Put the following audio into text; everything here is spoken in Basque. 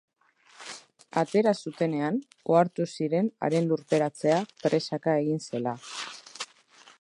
Atera zutenean, ohartu ziren haren lurperatzea presaka egin zela.